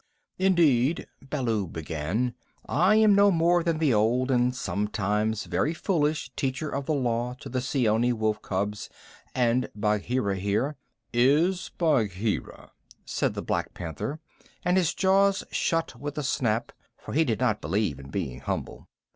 "Indeed," Baloo began, "I am no more than the old and sometimes very foolish Teacher of the Law to the Seeonee wolf cubs, and Bagheera here " "Is Bagheera," said the Black Panther, and his jaws shut with a snap, for he did not believe in being humble.